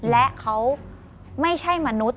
และเขาไม่ใช่มนุษย์